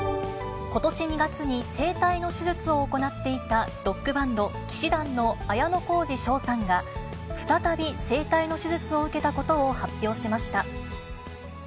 ことし２月に声帯の手術を行っていたロックバンド、氣志團の綾小路翔さんが、再び声帯の手術を受けたことを発表しました。